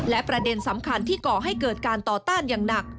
และประเด็นสำคัญที่ก่อให้เกิดการต่อต้านอย่างหนัก